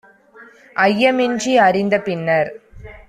ஐய மின்றி அறிந்த பின்னர்